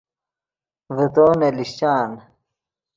ڤے تو نے لیشچان